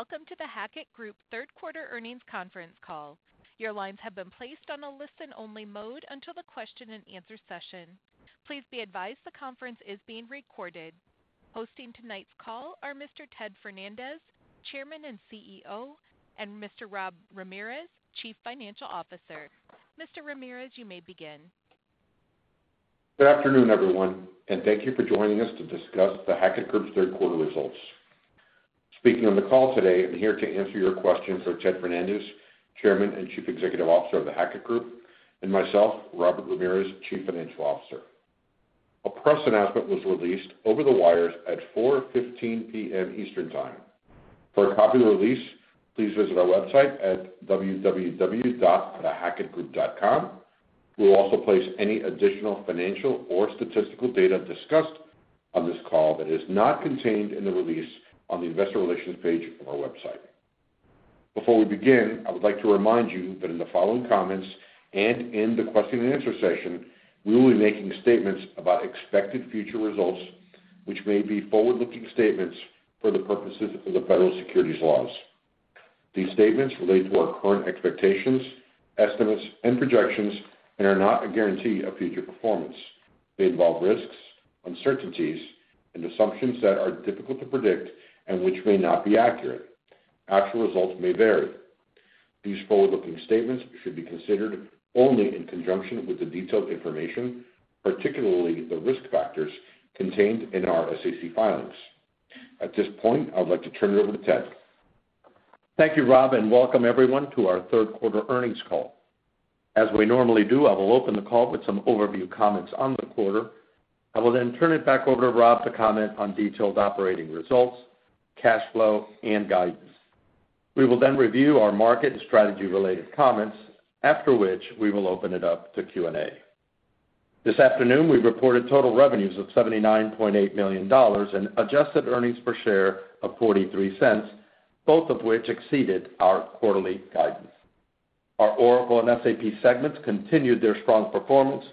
Welcome to the Hackett Group Third Quarter Earnings Conference call. Your lines have been placed on a listen-only mode until the question-and-answer session. Please be advised the conference is being recorded. Hosting tonight's call are Mr. Ted Fernandez, Chairman and CEO, and Mr. Rob Ramirez, Chief Financial Officer. Mr. Ramirez, you may begin. Good afternoon, everyone, and thank you for joining us to discuss The Hackett Group's third quarter results. Speaking on the call today, I'm here to answer your questions for Ted Fernandez, Chairman and Chief Executive Officer of The Hackett Group, and myself, Robert Ramirez, Chief Financial Officer. A press announcement was released over the wires at 4:15 P.M. Eastern Time. For a copy of the release, please visit our website at www.thehackettgroup.com. We'll also place any additional financial or statistical data discussed on this call that is not contained in the release on the Investor Relations page of our website. Before we begin, I would like to remind you that in the following comments and in the question-and-answer session, we will be making statements about expected future results, which may be forward-looking statements for the purposes of the federal securities laws. These statements relate to our current expectations, estimates, and projections, and are not a guarantee of future performance. They involve risks, uncertainties, and assumptions that are difficult to predict and which may not be accurate. Actual results may vary. These forward-looking statements should be considered only in conjunction with the detailed information, particularly the risk factors contained in our SEC filings. At this point, I would like to turn it over to Ted. Thank you, Rob, and welcome everyone to our third quarter earnings call. As we normally do, I will open the call with some overview comments on the quarter. I will then turn it back over to Rob to comment on detailed operating results, cash flow, and guidance. We will then review our market and strategy-related comments, after which we will open it up to Q&A. This afternoon, we reported total revenues of $79.8 million and adjusted earnings per share of $0.43, both of which exceeded our quarterly guidance. Our Oracle and SAP segments continued their strong performance,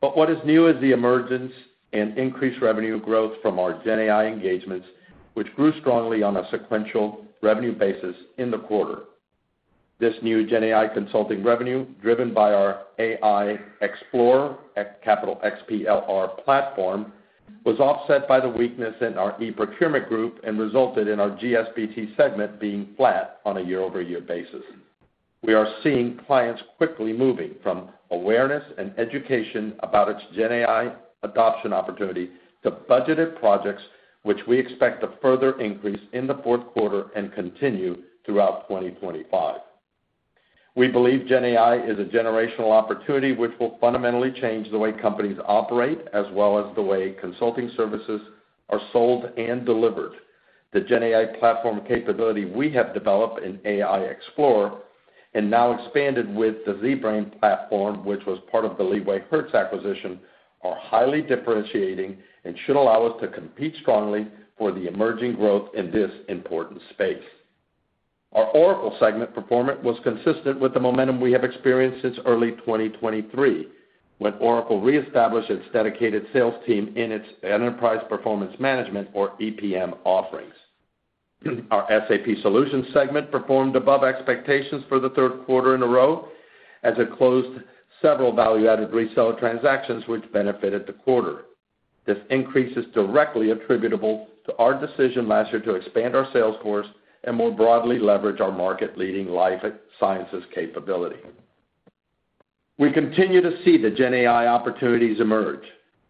but what is new is the emergence and increased revenue growth from our GenAI engagements, which grew strongly on a sequential revenue basis in the quarter. This new GenAI consulting revenue, driven by our AI Explorer capital XPLR platform, was offset by the weakness in our eProcurement group and resulted in our Global S&BT segment being flat on a year-over-year basis. We are seeing clients quickly moving from awareness and education about its GenAI adoption opportunity to budgeted projects, which we expect to further increase in the fourth quarter and continue throughout 2025. We believe GenAI is a generational opportunity which will fundamentally change the way companies operate as well as the way consulting services are sold and delivered. The GenAI platform capability we have developed in AI Explorer and now expanded with the ZBrain platform, which was part of the LeewayHertz acquisition, are highly differentiating and should allow us to compete strongly for the emerging growth in this important space. Our Oracle segment performance was consistent with the momentum we have experienced since early 2023 when Oracle reestablished its dedicated sales team in its Enterprise Performance Management or EPM offerings. Our SAP Solutions segment performed above expectations for the third quarter in a row as it closed several value-added reseller transactions, which benefited the quarter. This increase is directly attributable to our decision last year to expand our sales force and more broadly leverage our market-leading Life Sciences capability. We continue to see the GenAI opportunities emerge.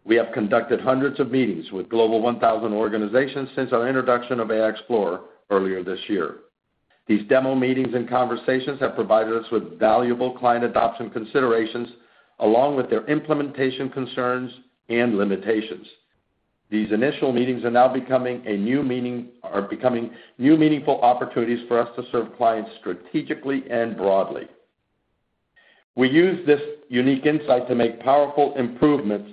We have conducted hundreds of meetings with Global 1000 organizations since our introduction of AI Explorer earlier this year. These demo meetings and conversations have provided us with valuable client adoption considerations along with their implementation concerns and limitations. These initial meetings are now becoming new meaningful opportunities for us to serve clients strategically and broadly. We use this unique insight to make powerful improvements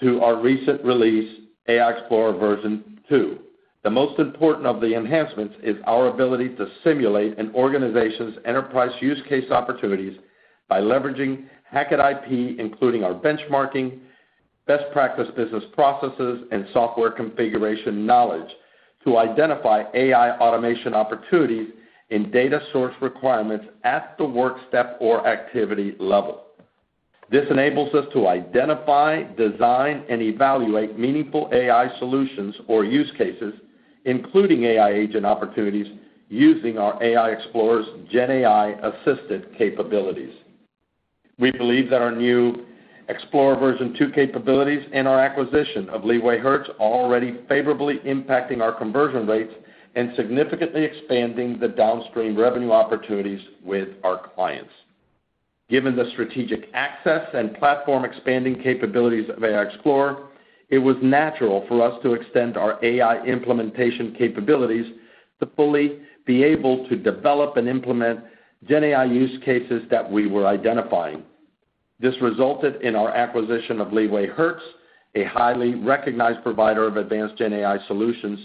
to our recent release, AI Explorer version two. The most important of the enhancements is our ability to simulate an organization's enterprise use case opportunities by leveraging Hackett IP, including our benchmarking, best practice business processes, and software configuration knowledge to identify AI automation opportunities in data source requirements at the work step or activity level. This enables us to identify, design, and evaluate meaningful AI solutions or use cases, including AI agent opportunities, using our AI Explorer's GenAI-assisted capabilities. We believe that our new Explorer version two capabilities and our acquisition of LeewayHertz are already favorably impacting our conversion rates and significantly expanding the downstream revenue opportunities with our clients. Given the strategic access and platform expanding capabilities of AI Explorer, it was natural for us to extend our AI implementation capabilities to fully be able to develop and implement GenAI use cases that we were identifying. This resulted in our acquisition of LeewayHertz, a highly recognized provider of advanced GenAI solutions.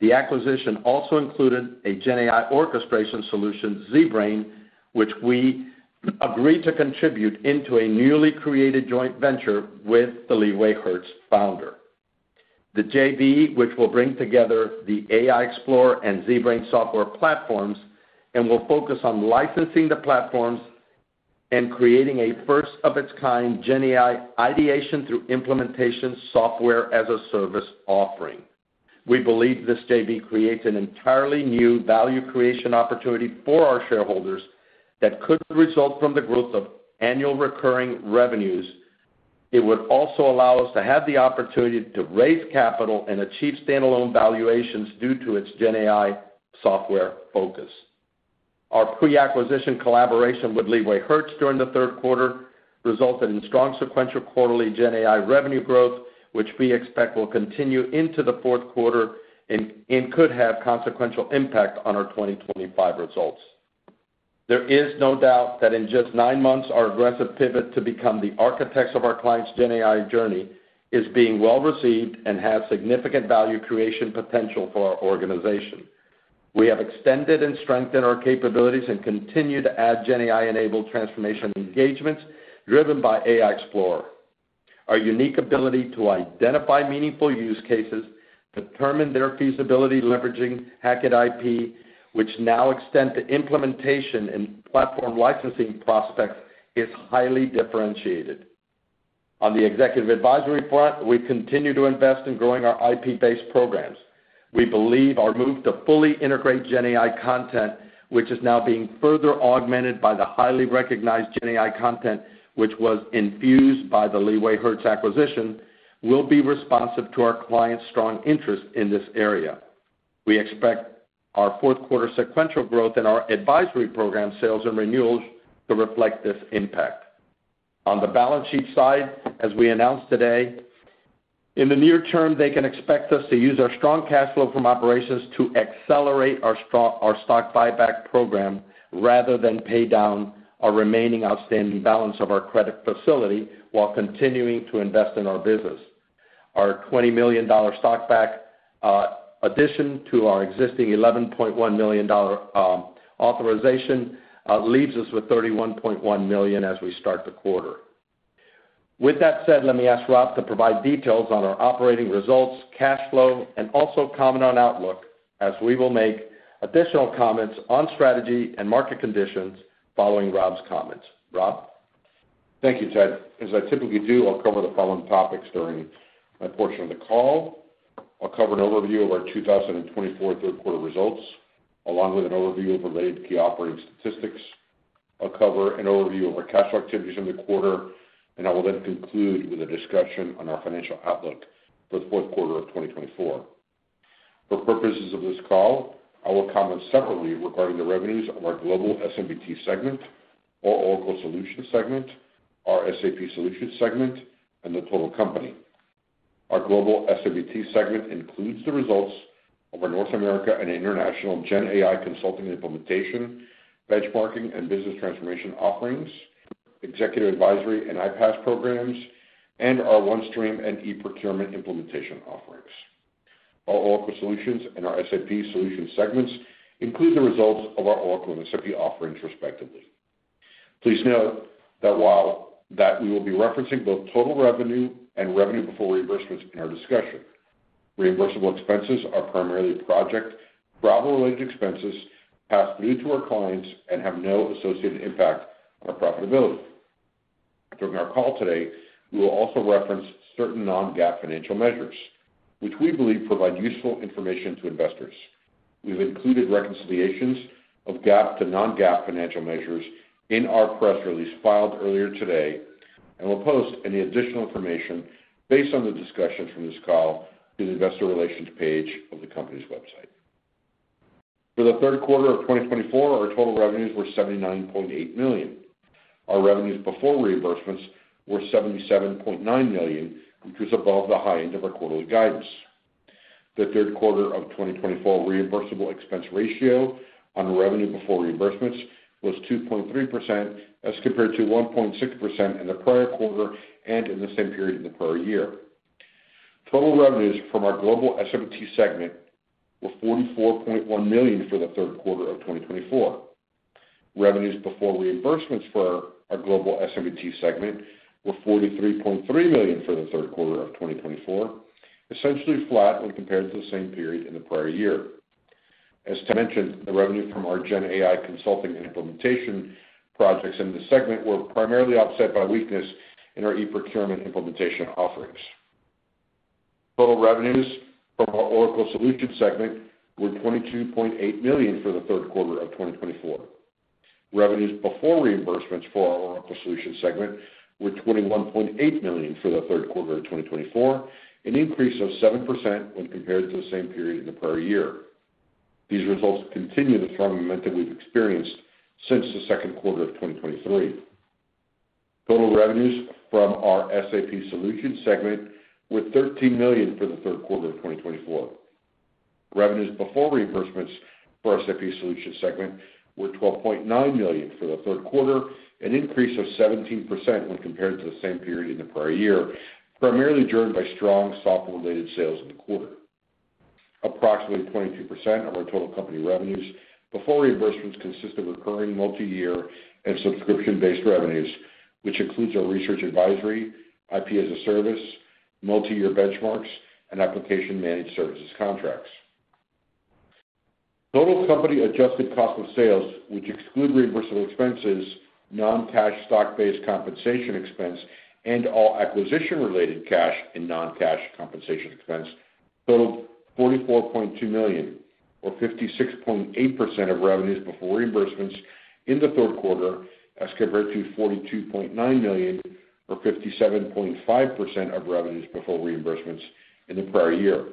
The acquisition also included a GenAI orchestration solution, ZBrain, which we agreed to contribute into a newly created joint venture with the LeewayHertz founder. The JV, which will bring together the AI Explorer and ZBrain software platforms, will focus on licensing the platforms and creating a first-of-its-kind GenAI ideation through implementation software as a service offering. We believe this JV creates an entirely new value creation opportunity for our shareholders that could result from the growth of annual recurring revenues. It would also allow us to have the opportunity to raise capital and achieve standalone valuations due to its GenAI software focus. Our pre-acquisition collaboration with LeewayHertz during the third quarter resulted in strong sequential quarterly GenAI revenue growth, which we expect will continue into the fourth quarter and could have a consequential impact on our 2025 results. There is no doubt that in just nine months, our aggressive pivot to become the architects of our clients' GenAI journey is being well received and has significant value creation potential for our organization. We have extended and strengthened our capabilities and continue to add GenAI-enabled transformation engagements driven by AI Explorer. Our unique ability to identify meaningful use cases, determine their feasibility leveraging Hackett IP, which now extends to implementation and platform licensing prospects, is highly differentiated. On the Executive Advisory front, we continue to invest in growing our IP-based programs. We believe our move to fully integrate GenAI content, which is now being further augmented by the highly recognized GenAI content, which was infused by the LeewayHertz acquisition, will be responsive to our clients' strong interest in this area. We expect our fourth quarter sequential growth in our advisory program sales and renewals to reflect this impact. On the balance sheet side, as we announced today, in the near term, they can expect us to use our strong cash flow from operations to accelerate our stock buyback program rather than pay down our remaining outstanding balance of our credit facility while continuing to invest in our business. Our $20 million stock buyback addition to our existing $11.1 million authorization leaves us with $31.1 million as we start the quarter. With that said, let me ask Rob to provide details on our operating results, cash flow, and also comment on outlook as we will make additional comments on strategy and market conditions following Rob's comments. Rob? Thank you, Ted. As I typically do, I'll cover the following topics during my portion of the call. I'll cover an overview of our 2024 third quarter results along with an overview of related key operating statistics. I'll cover an overview of our cash flow activities in the quarter, and I will then conclude with a discussion on our financial outlook for the fourth quarter of 2024. For purposes of this call, I will comment separately regarding the revenues of our Global S&BT segment, our Oracle Solutions segment, our SAP Solutions segment, and the total company. Our Global S&BT segment includes the results of our North America and international GenAI consulting implementation, benchmarking and business transformation offerings, Executive Advisory and IPaaS programs, and our OneStream and eProcurement implementation offerings. Our Oracle Solutions and our SAP Solutions segments include the results of our Oracle and SAP offerings, respectively. Please note that while we will be referencing both total revenue and revenue before reimbursements in our discussion. Reimbursable expenses are primarily project travel-related expenses passed through to our clients and have no associated impact on our profitability. During our call today, we will also reference certain non-GAAP financial measures, which we believe provide useful information to investors. We've included reconciliations of GAAP to non-GAAP financial measures in our press release filed earlier today, and we'll post any additional information based on the discussions from this call to the investor relations page of the company's website. For the third quarter of 2024, our total revenues were $79.8 million. Our revenues before reimbursements were $77.9 million, which was above the high end of our quarterly guidance. The third quarter of 2024 reimbursable expense ratio on revenue before reimbursements was 2.3% as compared to 1.6% in the prior quarter and in the same period in the prior year. Total revenues from our Global S&BT segment were $44.1 million for the third quarter of 2024. Revenues before reimbursements for our Global S&BT segment were $43.3 million for the third quarter of 2024, essentially flat when compared to the same period in the prior year. As mentioned, the revenue from our GenAI consulting implementation projects in the segment were primarily offset by weakness in our eProcurement implementation offerings. Total revenues from our Oracle Solutions segment were $22.8 million for the third quarter of 2024. Revenues before reimbursements for our Oracle Solutions segment were $21.8 million for the third quarter of 2024, an increase of 7% when compared to the same period in the prior year. These results continue the strong momentum we've experienced since the second quarter of 2023. Total revenues from our SAP Solutions segment were $13 million for the third quarter of 2024. Revenues before reimbursements for our SAP Solutions segment were $12.9 million for the third quarter, an increase of 17% when compared to the same period in the prior year, primarily driven by strong software-related sales in the quarter. Approximately 22% of our total company revenues before reimbursements consist of recurring multi-year and subscription-based revenues, which includes our research advisory, IP-as-a-Service, multi-year benchmarks, and Application Managed Services contracts. Total company adjusted cost of sales, which exclude reimbursable expenses, non-cash stock-based compensation expense, and all acquisition-related cash and non-cash compensation expense, totaled $44.2 million or 56.8% of revenues before reimbursements in the third quarter as compared to $42.9 million or 57.5% of revenues before reimbursements in the prior year.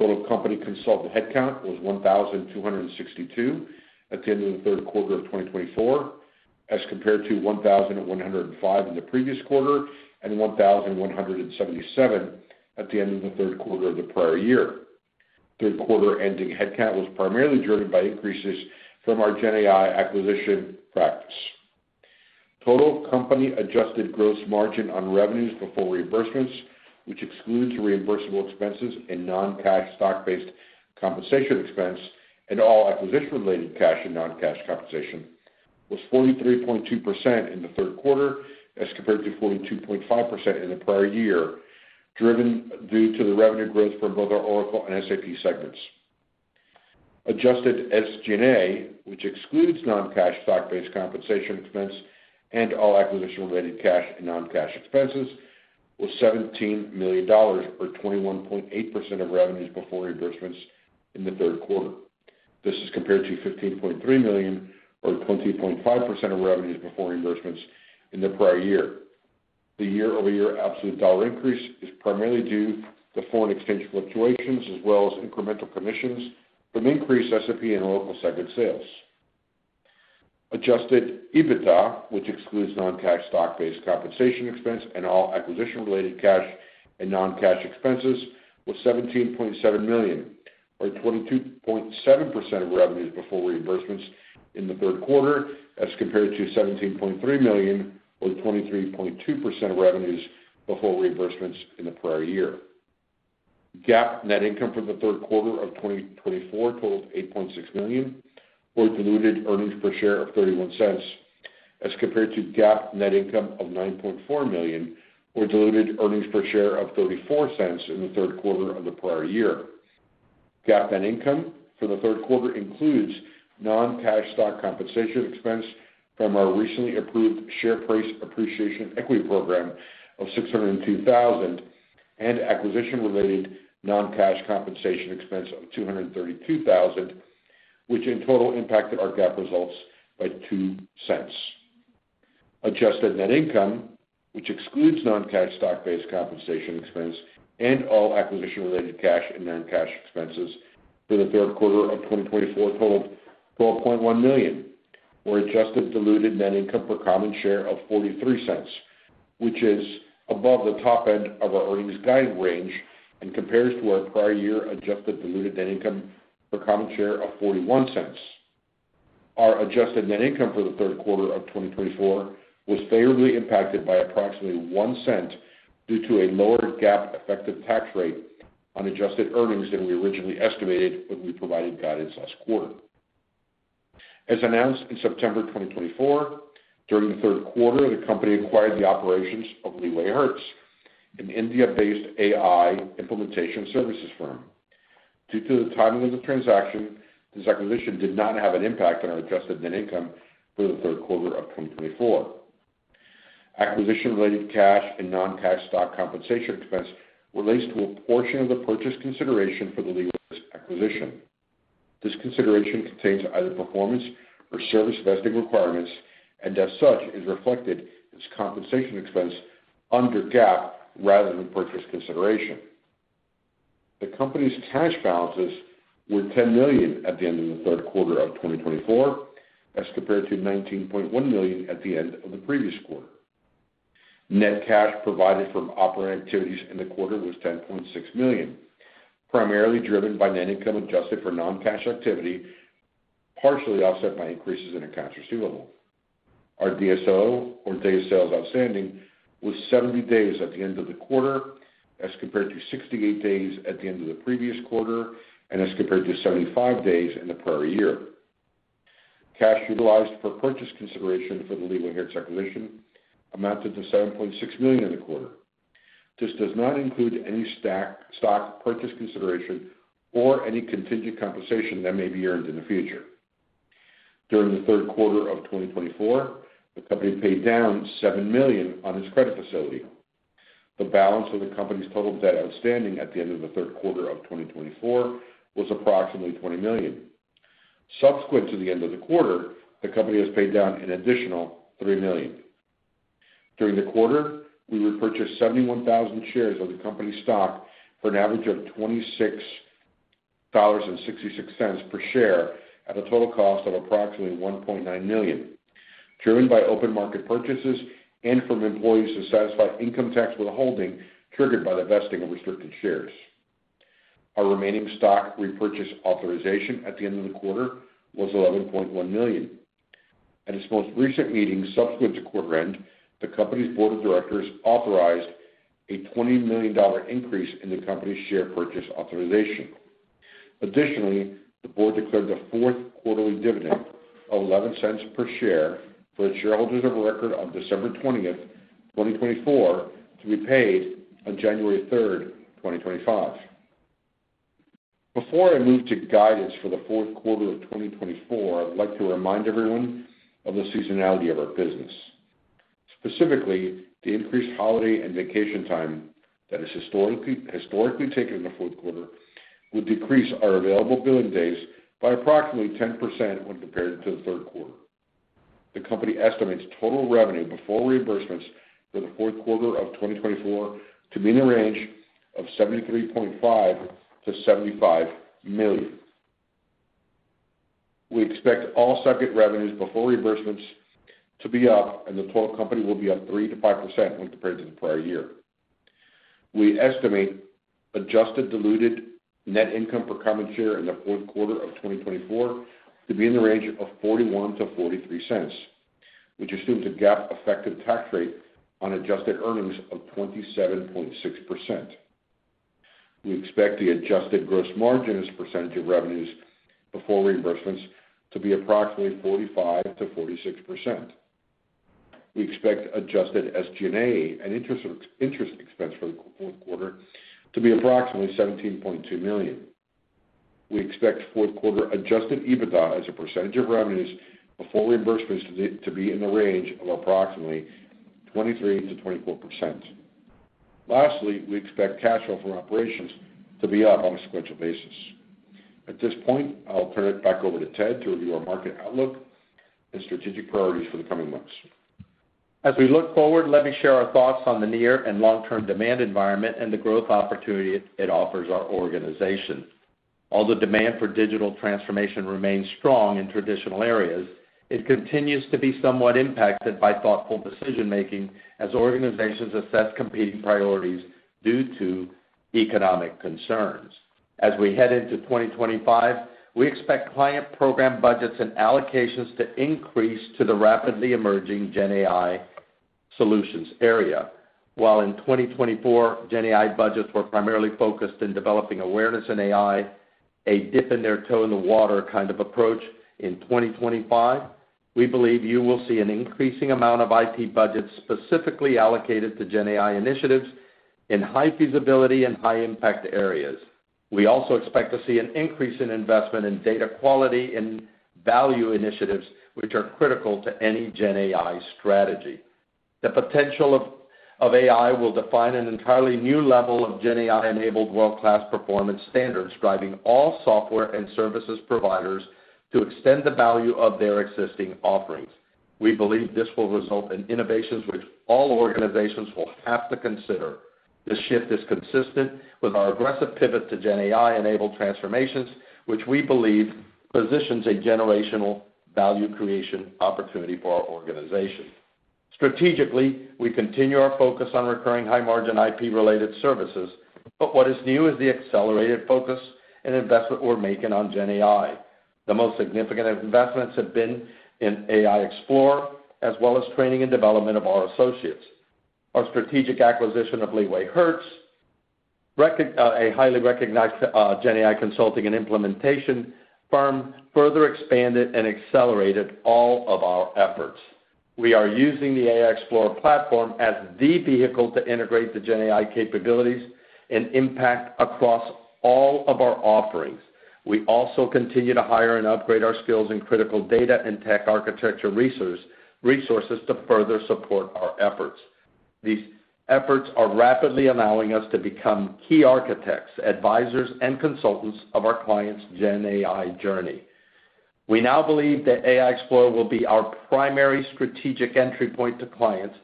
Total company consultant headcount was $1,262 at the end of the third quarter of 2024 as compared to $1,105 in the previous quarter and $1,177 at the end of the third quarter of the prior year. Third quarter ending headcount was primarily driven by increases from our GenAI acquisition practice. Total company adjusted gross margin on revenues before reimbursements, which excludes reimbursable expenses and non-cash stock-based compensation expense and all acquisition-related cash and non-cash compensation, was 43.2% in the third quarter as compared to 42.5% in the prior year, driven due to the revenue growth from both our Oracle and SAP segments. Adjusted SG&A, which excludes non-cash stock-based compensation expense and all acquisition-related cash and non-cash expenses, was $17 million or 21.8% of revenues before reimbursements in the third quarter. This is compared to $15.3 million or 20.5% of revenues before reimbursements in the prior year. The year-over-year absolute dollar increase is primarily due to foreign exchange fluctuations as well as incremental commissions from increased SAP and Oracle segment sales. Adjusted EBITDA, which excludes non-cash stock-based compensation expense and all acquisition-related cash and non-cash expenses, was $17.7 million or 22.7% of revenues before reimbursements in the third quarter as compared to $17.3 million or 23.2% of revenues before reimbursements in the prior year. GAAP net income for the third quarter of 2024 totaled $8.6 million, or diluted earnings per share of $0.31, as compared to GAAP net income of $9.4 million, or diluted earnings per share of $0.34 in the third quarter of the prior year. GAAP net income for the third quarter includes non-cash stock compensation expense from our recently approved Share Price Appreciation Equity Program of $602,000 and acquisition-related non-cash compensation expense of $232,000, which in total impacted our GAAP results by $0.02. Adjusted net income, which excludes non-cash stock-based compensation expense and all acquisition-related cash and non-cash expenses for the third quarter of 2024, totaled $12.1 million, or adjusted diluted net income per common share of $0.43, which is above the top end of our earnings guide range and compares to our prior year adjusted diluted net income per common share of $0.41. Our adjusted net income for the third quarter of 2024 was favorably impacted by approximately $0.01 due to a lower GAAP effective tax rate on adjusted earnings than we originally estimated when we provided guidance last quarter. As announced in September 2024, during the third quarter, the company acquired the operations of LeewayHertz, an India-based AI implementation services firm. Due to the timing of the transaction, this acquisition did not have an impact on our adjusted net income for the third quarter of 2024. Acquisition-related cash and non-cash stock compensation expense relates to a portion of the purchase consideration for the LeewayHertz acquisition. This consideration contains either performance or service vesting requirements and, as such, is reflected as compensation expense under GAAP rather than purchase consideration. The company's cash balances were $10 million at the end of the third quarter of 2024 as compared to $19.1 million at the end of the previous quarter. Net cash provided from operating activities in the quarter was $10.6 million, primarily driven by net income adjusted for non-cash activity, partially offset by increases in accounts receivable. Our DSO, or Days Sales Outstanding, was 70 days at the end of the quarter as compared to 68 days at the end of the previous quarter and as compared to 75 days in the prior year. Cash utilized for purchase consideration for the LeewayHertz acquisition amounted to $7.6 million in the quarter. This does not include any stock purchase consideration or any contingent compensation that may be earned in the future. During the third quarter of 2024, the company paid down $7 million on its credit facility. The balance of the company's total debt outstanding at the end of the third quarter of 2024 was approximately $20 million. Subsequent to the end of the quarter, the company has paid down an additional $3 million. During the quarter, we repurchased 71,000 shares of the company's stock for an average of $26.66 per share at a total cost of approximately $1.9 million, driven by open market purchases and from employees to satisfy income tax withholding triggered by the vesting of restricted shares. Our remaining stock repurchase authorization at the end of the quarter was $11.1 million. At its most recent meeting subsequent to quarter end, the company's board of directors authorized a $20 million increase in the company's share purchase authorization. Additionally, the board declared the fourth quarterly dividend of $0.11 per share for its shareholders of record on December 20, 2024, to be paid on January 3, 2025. Before I move to guidance for the fourth quarter of 2024, I'd like to remind everyone of the seasonality of our business. Specifically, the increased holiday and vacation time that is historically taken in the fourth quarter would decrease our available billing days by approximately 10% when compared to the third quarter. The company estimates total revenue before reimbursements for the fourth quarter of 2024 to be in the range of $73.5 million-$75 million. We expect all segment revenues before reimbursements to be up, and the total company will be up 3%-5% when compared to the prior year. We estimate adjusted diluted net income per common share in the fourth quarter of 2024 to be in the range of $0.41-$0.43, which assumes a GAAP effective tax rate on adjusted earnings of 27.6%. We expect the adjusted gross margin as a percentage of revenues before reimbursements to be approximately 45%-46%. We expect adjusted SG&A and interest expense for the fourth quarter to be approximately $17.2 million. We expect fourth quarter adjusted EBITDA as a percentage of revenues before reimbursements to be in the range of approximately 23%-24%. Lastly, we expect cash flow from operations to be up on a sequential basis. At this point, I'll turn it back over to Ted to review our market outlook and strategic priorities for the coming months. As we look forward, let me share our thoughts on the near and long-term demand environment and the growth opportunity it offers our organization. Although demand for digital transformation remains strong in traditional areas, it continues to be somewhat impacted by thoughtful decision-making as organizations assess competing priorities due to economic concerns. As we head into 2025, we expect client program budgets and allocations to increase to the rapidly emerging GenAI solutions area. While in 2024, GenAI budgets were primarily focused in developing awareness in AI, a dipping their toe in the water kind of approach. In 2025, we believe you will see an increasing amount of IP budgets specifically allocated to GenAI initiatives in high feasibility and high impact areas. We also expect to see an increase in investment in data quality and value initiatives, which are critical to any GenAI strategy. The potential of AI will define an entirely new level of GenAI-enabled world-class performance standards, driving all software and services providers to extend the value of their existing offerings. We believe this will result in innovations which all organizations will have to consider. This shift is consistent with our aggressive pivot to GenAI-enabled transformations, which we believe positions a generational value creation opportunity for our organization. Strategically, we continue our focus on recurring high-margin IP-related services, but what is new is the accelerated focus and investment we're making on GenAI. The most significant investments have been in AI Explorer, as well as training and development of our associates. Our strategic acquisition of LeewayHertz, a highly recognized GenAI consulting and implementation firm, further expanded and accelerated all of our efforts. We are using the AI Explorer platform as the vehicle to integrate the GenAI capabilities and impact across all of our offerings. We also continue to hire and upgrade our skills in critical data and tech architecture resources to further support our efforts. These efforts are rapidly allowing us to become key architects, advisors, and consultants of our clients' GenAI journey. We now believe that AI Explorer will be our primary strategic entry point to clients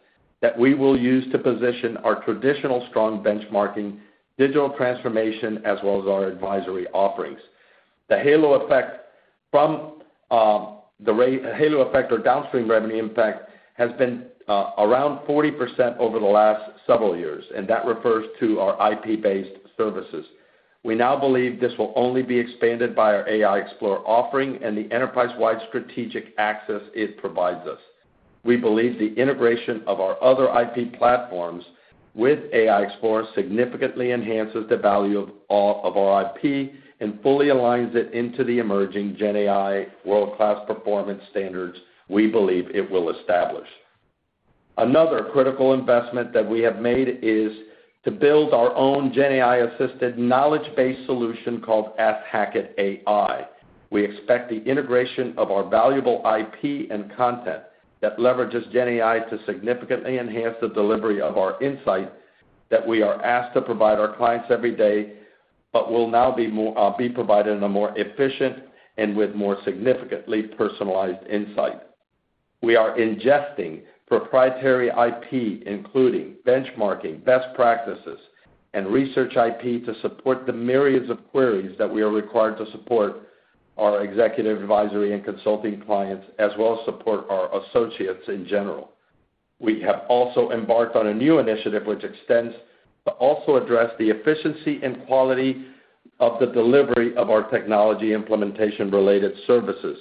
that we will use to position our traditional strong benchmarking digital transformation as well as our advisory offerings. The halo effect or downstream revenue impact has been around 40% over the last several years, and that refers to our IP-based services. We now believe this will only be expanded by our AI Explorer offering and the enterprise-wide strategic access it provides us. We believe the integration of our other IP platforms with AI Explorer significantly enhances the value of all of our IP and fully aligns it into the emerging GenAI world-class performance standards we believe it will establish. Another critical investment that we have made is to build our own GenAI-assisted knowledge-based solution called Hackett AI. We expect the integration of our valuable IP and content that leverages GenAI to significantly enhance the delivery of our insight that we are asked to provide our clients every day, but will now be provided in a more efficient and with more significantly personalized insight. We are ingesting proprietary IP, including benchmarking, best practices, and research IP to support the myriads of queries that we are required to support our Executive Advisory and consulting clients, as well as support our associates in general. We have also embarked on a new initiative which extends to also address the efficiency and quality of the delivery of our technology implementation-related services.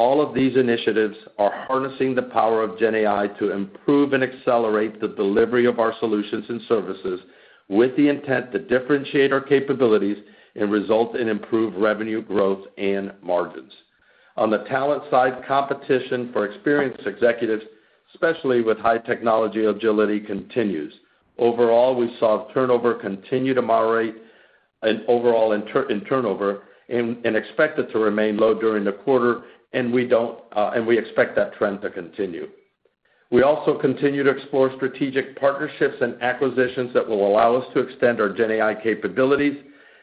All of these initiatives are harnessing the power of GenAI to improve and accelerate the delivery of our solutions and services with the intent to differentiate our capabilities and result in improved revenue growth and margins. On the talent side, competition for experienced executives, especially with high technology agility, continues. Overall, we saw turnover continue to moderate and overall in turnover and expect it to remain low during the quarter, and we expect that trend to continue. We also continue to explore strategic partnerships and acquisitions that will allow us to extend our GenAI capabilities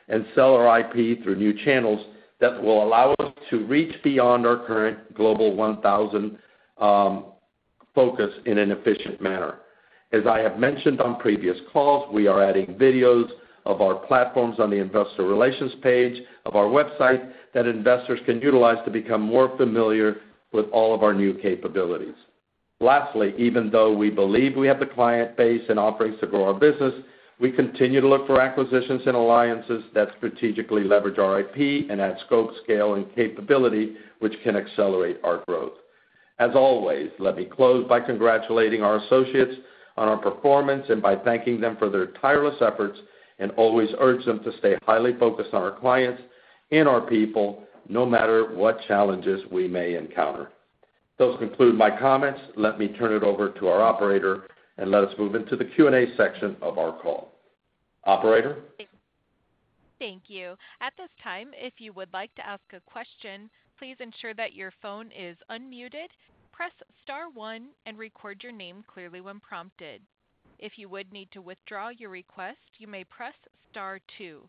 and sell our IP through new channels that will allow us to reach beyond our current Global 1000 focus in an efficient manner. As I have mentioned on previous calls, we are adding videos of our platforms on the investor relations page of our website that investors can utilize to become more familiar with all of our new capabilities. Lastly, even though we believe we have the client base and offerings to grow our business, we continue to look for acquisitions and alliances that strategically leverage our IP and add scope, scale, and capability, which can accelerate our growth. As always, let me close by congratulating our associates on our performance and by thanking them for their tireless efforts and always urge them to stay highly focused on our clients and our people, no matter what challenges we may encounter. That concludes my comments. Let me turn it over to our operator, and let us move into the Q&A section of our call. Operator. Thank you. At this time, if you would like to ask a question, please ensure that your phone is unmuted. Press star one and record your name clearly when prompted. If you would need to withdraw your request, you may press star two.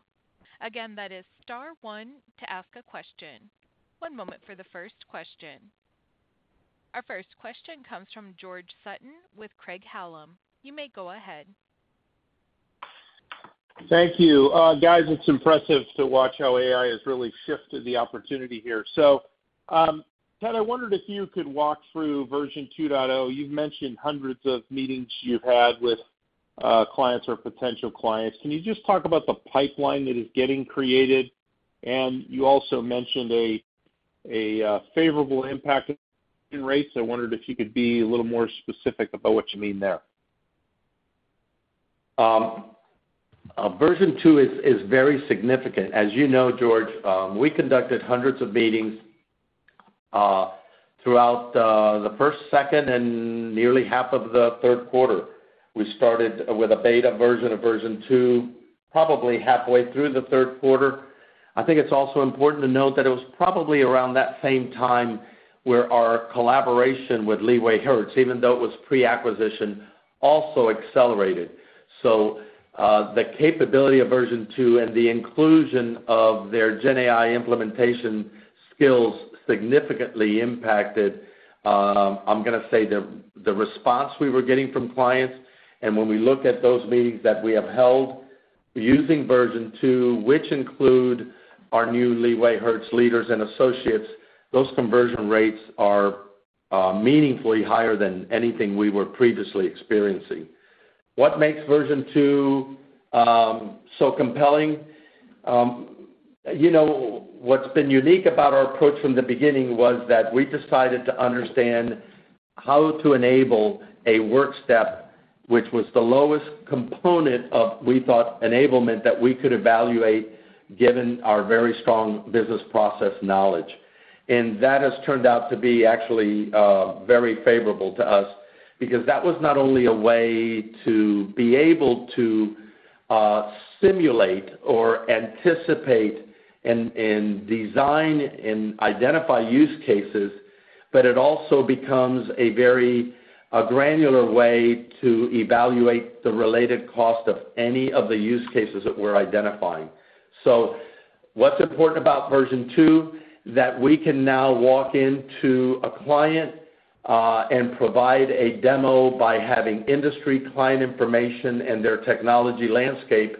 Again, that is star one to ask a question. One moment for the first question. Our first question comes from George Sutton with Craig-Hallum. You may go ahead. Thank you. Guys, it's impressive to watch how AI has really shifted the opportunity here. Ted, I wondered if you could walk through version 2.0. You've mentioned hundreds of meetings you've had with clients or potential clients. Can you just talk about the pipeline that is getting created? You also mentioned a favorable impact in rates. I wondered if you could be a little more specific about what you mean there. Version two is very significant. As you know, George, we conducted hundreds of meetings throughout the first, second, and nearly half of the third quarter. We started with a beta version of version two, probably halfway through the third quarter. I think it's also important to note that it was probably around that same time where our collaboration with LeewayHertz, even though it was pre-acquisition, also accelerated. The capability of version two and the inclusion of their GenAI implementation skills significantly impacted, I'm going to say, the response we were getting from clients. When we look at those meetings that we have held using version two, which include our new LeewayHertz leaders and associates, those conversion rates are meaningfully higher than anything we were previously experiencing. What makes version two so compelling? What's been unique about our approach from the beginning was that we decided to understand how to enable a work step, which was the lowest component of, we thought, enablement that we could evaluate given our very strong business process knowledge. And that has turned out to be actually very favorable to us because that was not only a way to be able to simulate or anticipate and design and identify use cases, but it also becomes a very granular way to evaluate the related cost of any of the use cases that we're identifying. So what's important about version two is that we can now walk into a client and provide a demo by having industry client information and their technology landscape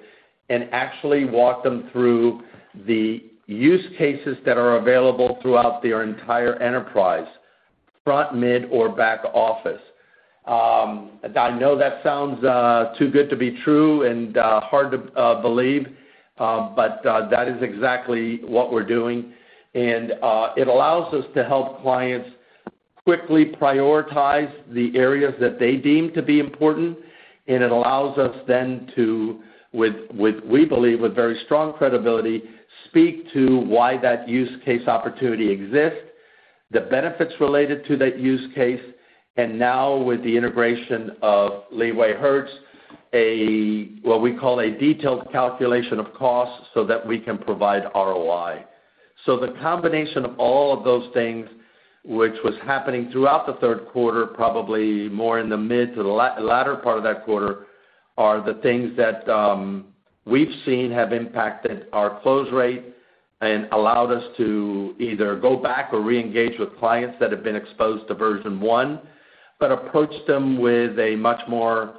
and actually walk them through the use cases that are available throughout their entire enterprise, front, mid, or back office. I know that sounds too good to be true and hard to believe, but that is exactly what we're doing. And it allows us to help clients quickly prioritize the areas that they deem to be important. It allows us then to, we believe, with very strong credibility, speak to why that use case opportunity exists, the benefits related to that use case, and now with the integration of LeewayHertz, what we call a detailed calculation of costs so that we can provide ROI. So the combination of all of those things, which was happening throughout the third quarter, probably more in the mid to the latter part of that quarter, are the things that we've seen have impacted our close rate and allowed us to either go back or re-engage with clients that have been exposed to version one, but approach them with a much more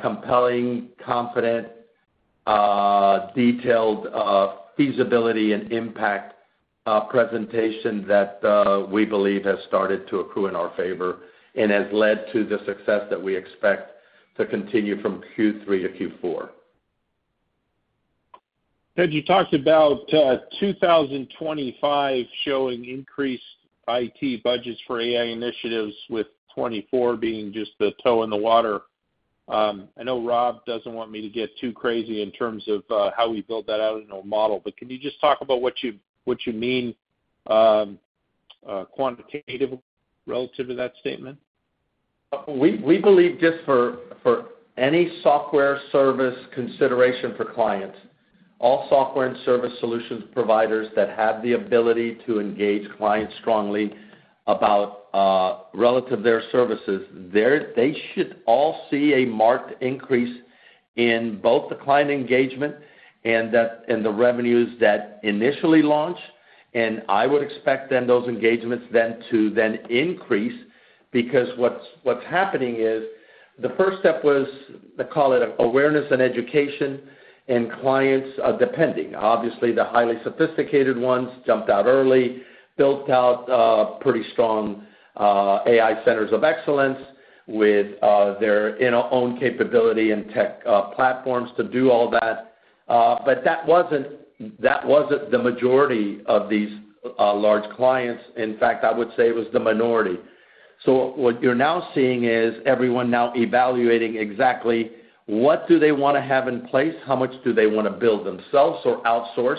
compelling, confident, detailed feasibility and impact presentation that we believe has started to accrue in our favor and has led to the success that we expect to continue from Q3 to Q4. Ted, you talked about 2025 showing increased IT budgets for AI initiatives, with 24 being just the toe in the water. I know Rob doesn't want me to get too crazy in terms of how we build that out in a model, but can you just talk about what you mean quantitatively relative to that statement? We believe just for any software service consideration for clients, all software and service solutions providers that have the ability to engage clients strongly relative to their services, they should all see a marked increase in both the client engagement and the revenues that initially launched, and I would expect then those engagements then to then increase because what's happening is the first step was, I call it, awareness and education, and clients are depending. Obviously, the highly sophisticated ones jumped out early, built out pretty strong AI centers of excellence with their own capability and tech platforms to do all that, but that wasn't the majority of these large clients. In fact, I would say it was the minority, so what you're now seeing is everyone now evaluating exactly what do they want to have in place, how much do they want to build themselves or outsource,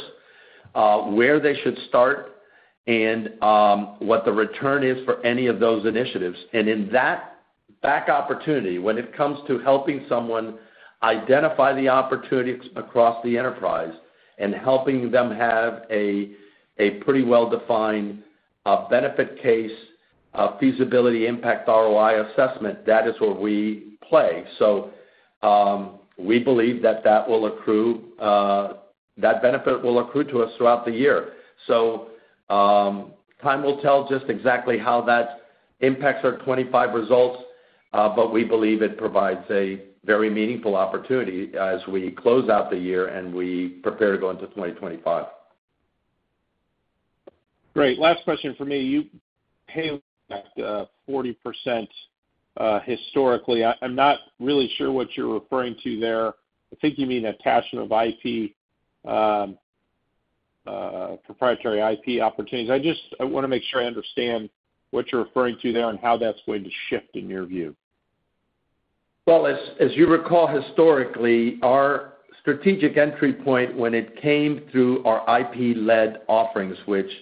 where they should start, and what the return is for any of those initiatives, and in that big opportunity, when it comes to helping someone identify the opportunities across the enterprise and helping them have a pretty well-defined benefit case, feasibility, impact, ROI assessment, that is where we play, so we believe that benefit will accrue to us throughout the year. Time will tell just exactly how that impacts our 2025 results, but we believe it provides a very meaningful opportunity as we close out the year and we prepare to go into 2025. Great. Last question for me. You paid back 40% historically. I'm not really sure what you're referring to there. I think you mean attachment of IP, proprietary IP opportunities. I want to make sure I understand what you're referring to there and how that's going to shift in your view. As you recall, historically, our strategic entry point when it came through our IP-led offerings, which are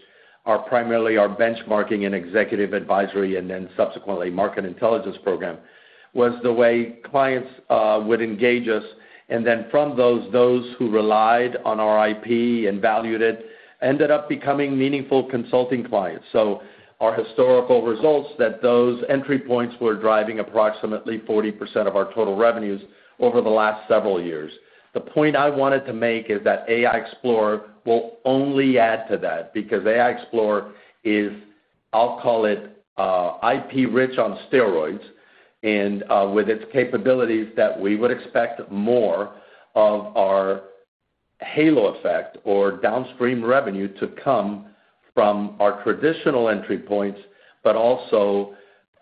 primarily our benchmarking and Executive Advisory and then subsequently Market Intelligence program, was the way clients would engage us, and then from those, those who relied on our IP and valued it ended up becoming meaningful consulting clients. Our historical results that those entry points were driving approximately 40% of our total revenues over the last several years. The point I wanted to make is that AI Explorer will only add to that because AI Explorer is, I'll call it, IP-rich on steroids. And with its capabilities that we would expect more of our halo effect or downstream revenue to come from our traditional entry points, but also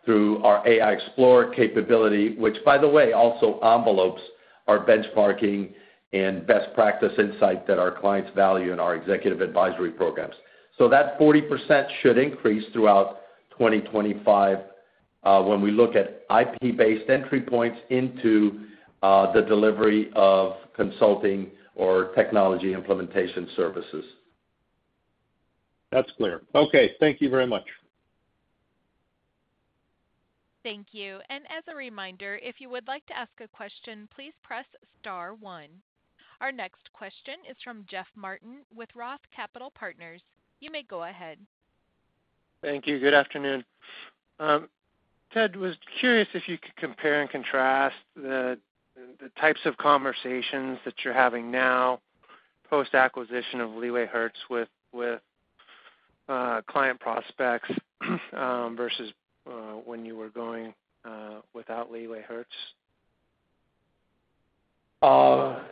through our AI Explorer capability, which, by the way, also envelopes our benchmarking and best practice insight that our clients value in our Executive Advisory programs. That 40% should increase throughout 2025 when we look at IP-based entry points into the delivery of consulting or technology implementation services. That's clear. Okay. Thank you very much. Thank you. As a reminder, if you would like to ask a question, please press star one. Our next question is from Jeff Martin with Roth Capital Partners. You may go ahead. Thank you. Good afternoon. Ted, I was curious if you could compare and contrast the types of conversations that you're having now post-acquisition of LeewayHertz with client prospects versus when you were going without LeewayHertz.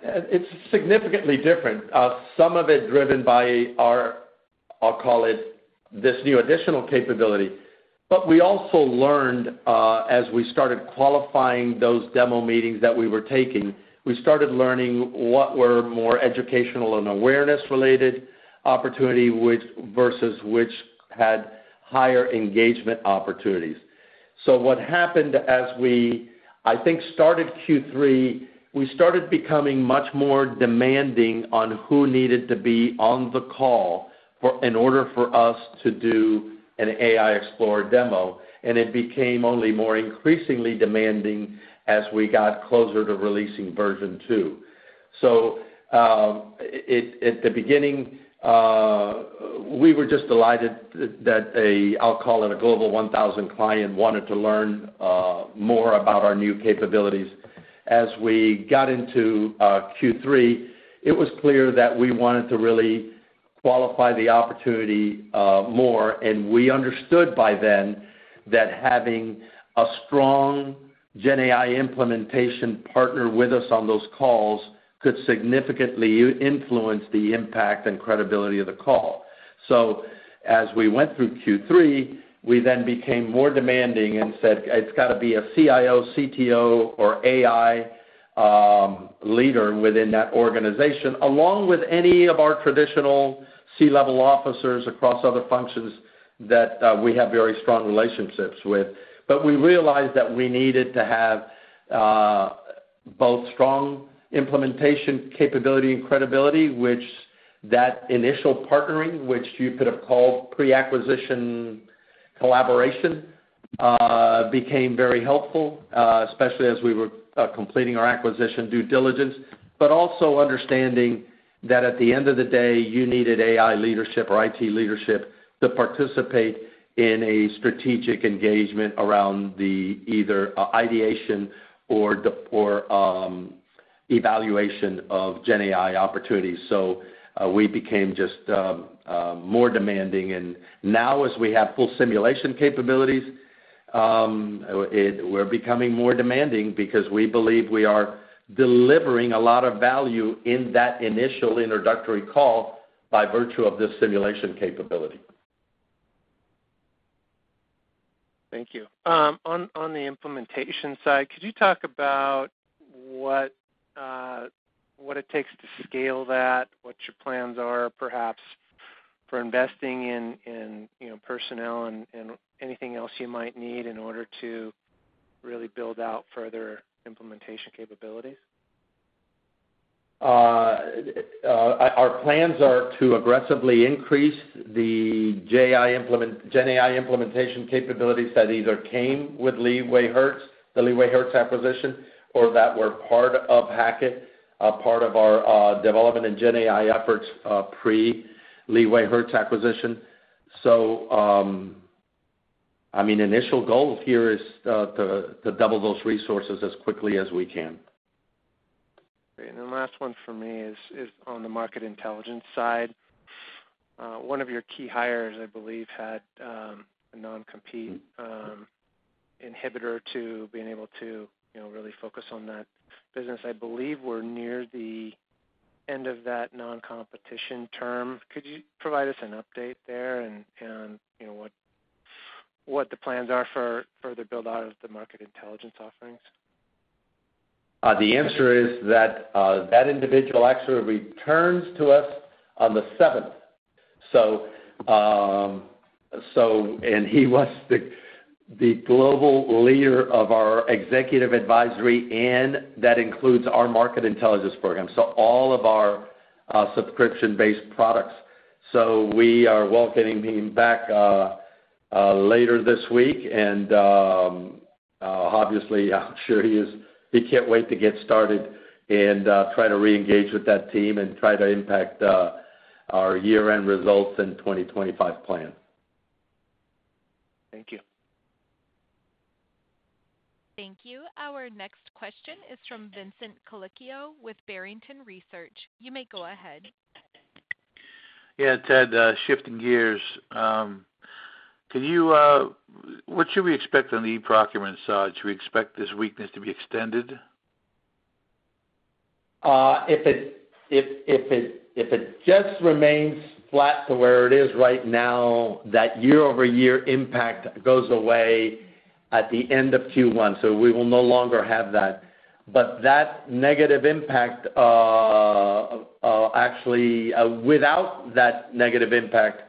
It's significantly different. Some of it driven by our, I'll call it, this new additional capability, but we also learned as we started qualifying those demo meetings that we were taking, we started learning what were more educational and awareness-related opportunities versus which had higher engagement opportunities, so what happened as we, I think, started Q3, we started becoming much more demanding on who needed to be on the call in order for us to do an AI Explorer demo, and it became only more increasingly demanding as we got closer to releasing version two. So at the beginning, we were just delighted that a, I'll call it, a Global 1000 client wanted to learn more about our new capabilities. As we got into Q3, it was clear that we wanted to really qualify the opportunity more. And we understood by then that having a strong GenAI implementation partner with us on those calls could significantly influence the impact and credibility of the call. So as we went through Q3, we then became more demanding and said, "It's got to be a CIO, CTO, or AI leader within that organization," along with any of our traditional C-level officers across other functions that we have very strong relationships with. But we realized that we needed to have both strong implementation capability and credibility, which that initial partnering, which you could have called pre-acquisition collaboration, became very helpful, especially as we were completing our acquisition due diligence, but also understanding that at the end of the day, you needed AI leadership or IT leadership to participate in a strategic engagement around either ideation or evaluation of GenAI opportunities. So we became just more demanding. And now, as we have full simulation capabilities, we're becoming more demanding because we believe we are delivering a lot of value in that initial introductory call by virtue of the simulation capability. Thank you. On the implementation side, could you talk about what it takes to scale that, what your plans are perhaps for investing in personnel and anything else you might need in order to really build out further implementation capabilities? Our plans are to aggressively increase the GenAI implementation capabilities that either came with LeewayHertz, the LeewayHertz acquisition, or that were part of Hackett, part of our development and GenAI efforts pre-LeewayHertz acquisition. So, I mean, the initial goal here is to double those resources as quickly as we can. And then the last one for me is on the Market Intelligence side. One of your key hires, I believe, had a non-compete inhibitor to being able to really focus on that business. I believe we're near the end of that non-competition term. Could you provide us an update there and what the plans are for further build-out of the Market Intelligence offerings? The answer is that that individual actually returns to us on the 7th. So, and he was the global leader of our Executive Advisory, and that includes our Market Intelligence program, so all of our subscription-based products. So we are welcoming him back later this week. And obviously, I'm sure he can't wait to get started and try to re-engage with that team and try to impact our year-end results and 2025 plan. Thank you. Thank you. Our next question is from Vincent Colicchio with Barrington Research. You may go ahead. Yeah, Ted, shifting gears. What should we expect from the eProcurement side? Should we expect this weakness to be extended? If it just remains flat to where it is right now, that year-over-year impact goes away at the end of Q1, so we will no longer have that. But that negative impact, actually, without that negative impact,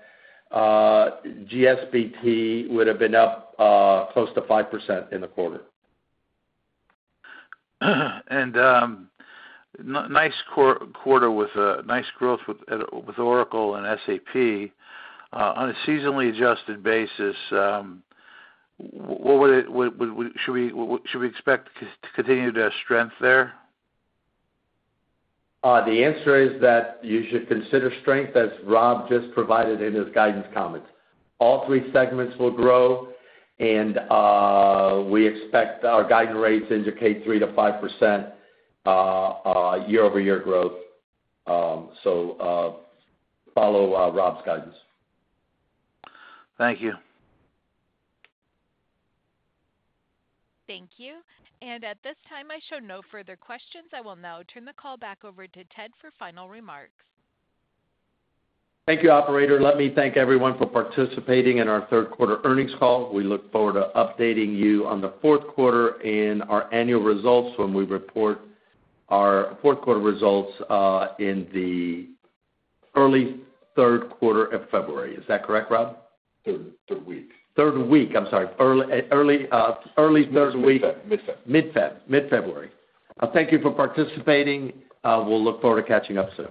GSBT would have been up close to 5% in the quarter. Nice quarter with nice growth with Oracle and SAP on a seasonally adjusted basis. Should we expect continued strength there? The answer is that you should consider continued strength as Rob just provided in his guidance comments. All three segments will grow, and we expect our guidance rates to indicate 3%-5% year-over-year growth. So follow Rob's guidance. Thank you. Thank you. And at this time, I show no further questions. I will now turn the call back over to Ted for final remarks. Thank you, operator. Let me thank everyone for participating in our third-quarter earnings call. We look forward to updating you on the fourth quarter and our annual results when we report our fourth-quarter results in the early third quarter of February. Is that correct, Rob? Third week. Third week. I'm sorry. Early third week. Mid-February. Mid-February. Mid-February. Thank you for participating. We'll look forward to catching up soon.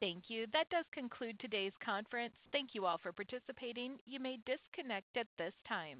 Thank you. That does conclude today's conference. Thank you all for participating. You may disconnect at this time.